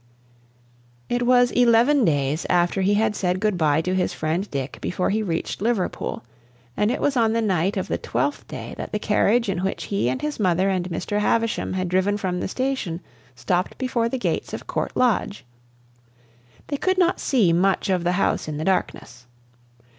It was eleven days after he had said good bye to his friend Dick before he reached Liverpool; and it was on the night of the twelfth day that the carriage in which he and his mother and Mr. Havisham had driven from the station stopped before the gates of Court Lodge. They could not see much of the house in the darkness.